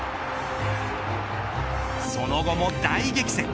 その後も大激戦。